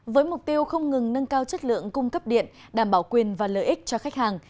với mục tiêu không ngừng nâng cao chất lượng cung cấp điện đảm bảo quyền và lợi ích cho khách hàng